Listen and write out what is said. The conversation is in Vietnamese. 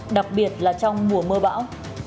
đặc biệt là trong mùa mưa bão